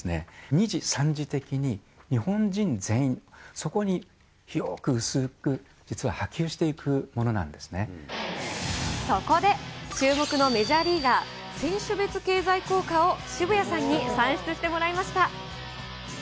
二次、三次的に日本人全員、そこに広く薄く実は波及していくものなんでそこで、注目のメジャーリーガー、選手別経済効果を渋谷さんに算出してもらいました。